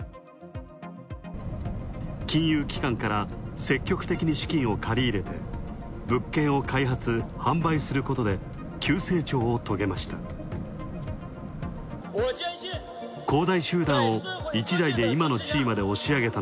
金融機関から積極的に資金を借り入れて、物件を開発、販売することで急成長を遂げました。